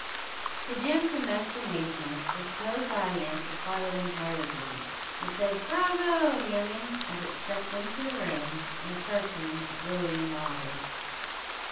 To Jim's immense amazement, the supposed audience applauded him heartily; and said, "Bravyo! young 'un," as it stepped into the room, in the person of William Willders.